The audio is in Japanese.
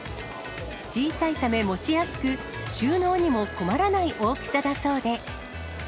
小さいため持ちやすく、収納にも困らない大きさだそうで。